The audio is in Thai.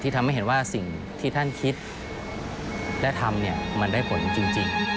ทำให้เห็นว่าสิ่งที่ท่านคิดและทำมันได้ผลจริง